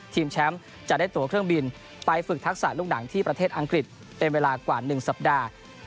แชมป์จะได้ตัวเครื่องบินไปฝึกทักษะลูกหนังที่ประเทศอังกฤษเป็นเวลากว่า๑สัปดาห์